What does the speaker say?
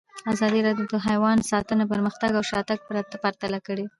ازادي راډیو د حیوان ساتنه پرمختګ او شاتګ پرتله کړی.